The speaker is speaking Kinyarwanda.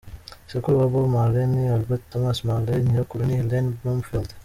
Sekuru wa Bob Marley ni Albert Thomas Marley nyirakuru ni Ellen Broomfield.